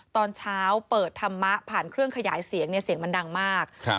ตอนเช้าเปิดธรรมะผ่านเครื่องขยายเสียงเนี่ยเสียงมันดังมาก